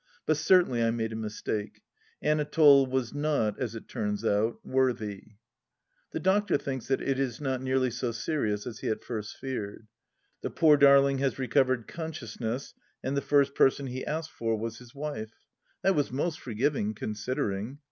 But certainly I made a mistake ; Anatole was not, as it turns out, worthy. ... The doctor thinks that it is not nearly so serious as he at first feared. The poor darling has recovered consciousness, and the first person he asked for was his Wife. That was most forgiving, considering